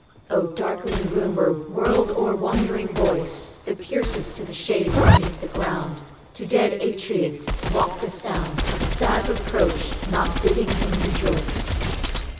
O darkling rumour, world o'er wandering voice That piercest to the shades beneath the ground, To dead Atrides waft a sound Of sad reproach, not bidding him rejoice.